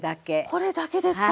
これだけですか。